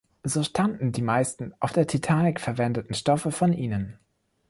So stammten die meisten der auf der Titanic verwendeten Stoffe von ihnen.